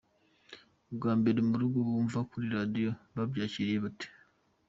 Bwa mbere mu rugo bakumva kuri radiyo babyakiriye bate?.